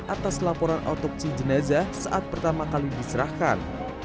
atas laporan otopsi jenazah saat pertama kali diserahkan